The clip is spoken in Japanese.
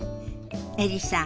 エリさん